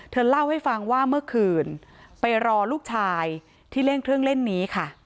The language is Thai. เธอเล่าให้ฟังว่าเมื่อคืนไปรอลูกชายที่เล่นเครื่องเล่นนี้ค่ะ